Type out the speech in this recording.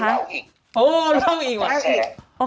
อ๋อเล่าอีกว่ะ